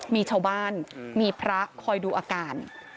มีชาวบ้านมีพระคอยดูอาการ